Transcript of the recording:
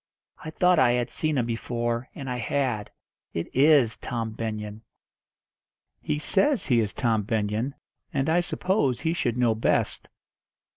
"I thought I had seen him before, and I had. It is Tom Benyon." "He says he is Tom Benyon, and I suppose he should know best."